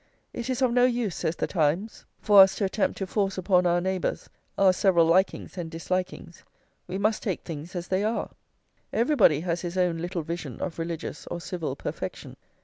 "It is of no use," says The Times, "for us to attempt to force upon our neighbours our several likings and dislikings. We must take things as they are. Everybody has his own little vision of religious or civil perfection.